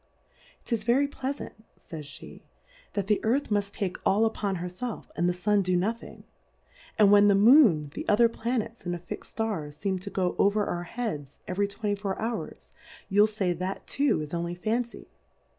'Tis very plea fant, fays fhCj that the Earth muft take all upon her felf, and the Sua do no thing : And when the Moon, the other Planets, and the fix'd Stars feem to go over our Heads every twenty four Hours, you'll fay That too is only Fan cy